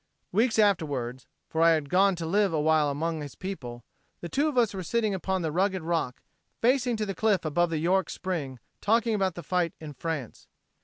Weeks afterward for I had gone to live awhile among his people the two of us were sitting upon the rugged rock, facing to the cliff above the York spring, talking about the fight in France.